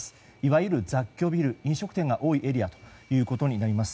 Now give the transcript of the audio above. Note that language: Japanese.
いわゆる雑居ビル飲食店が多いエリアとなります。